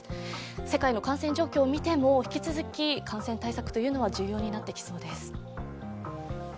世界の感染状況を見ても引き続き感染対策というのは重要になってきそうです。